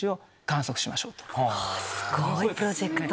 すごいプロジェクト。